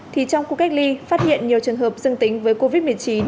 trong cuộc cách ly phát hiện nhiều trường hợp dương tính với covid một mươi chín